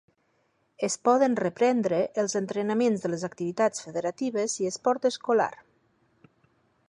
Es poden reprendre els entrenaments de les activitats federatives i esport escolar.